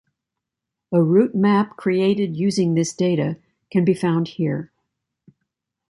A route map created using this data can be found here.